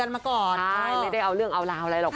ไม่ได้เอาเรื่องเอาลาอะไรหรอก